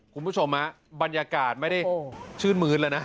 คุณผู้ชมบรรยากาศไม่ได้ชื่นมื้นแล้วนะ